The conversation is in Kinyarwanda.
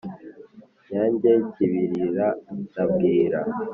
Nyange Kibirira na Bwira